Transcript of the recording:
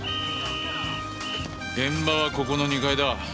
現場はここの２階だ。